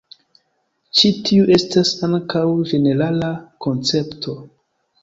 Ĉi tiu estas ankaŭ ĝenerala koncepto.